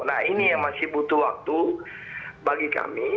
nah ini yang masih butuh waktu bagi kami